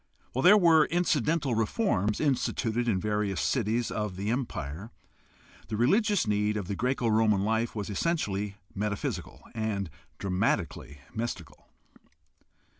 While there were incidental reforms instituted in various cities of the Empire, the religious need of the Greco Roman life was essen tially metaphysical and dramatically mystical.